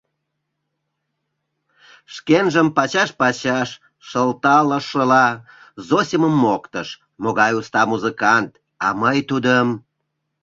Шкенжым пачаш-пачаш шылталышыла, Зосимым моктыш: «Могай уста музыкант, а мый тудым...»